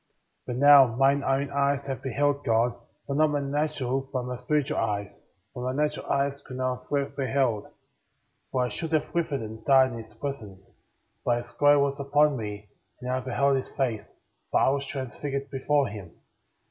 11. But now mine own eyes have beheld God;^ but not my natural,^ but my spiritual eyes, for my natural eyes could not have beheld f for I should have withered and died in his presence/ but his glory was upon me;*' and I beheld his face,* for I was transfigured before hina.